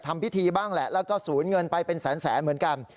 ทำพิธีบ้างแหละแล้วก็สูญเงินไปเป็นแสนเหมือนกัน